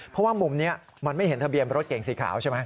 เพราะว่ามุมนี้มันไม่เห็นทะเบียนรถเก่งสีขาวใช่ไหม